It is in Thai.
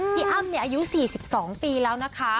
พี่อ้ำเนี่ยอายุ๔๒ปีแล้วนะคะ